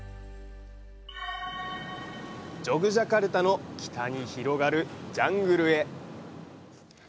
ジョグジャカルタの北に広がるジャングルへ。